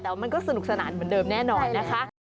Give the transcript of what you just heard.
แต่มันก็สนุกสนานเหมือนเดิมแน่นอนนะคะ